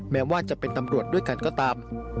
แม้ว่าจะเป็นตำรวจด้วยกันก็ตาม